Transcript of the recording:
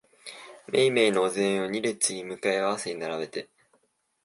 めいめいのお膳を二列に向かい合わせに並べて、